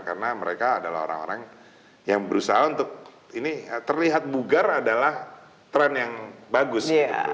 karena mereka adalah orang orang yang berusaha untuk ini terlihat bugar adalah trend yang bagus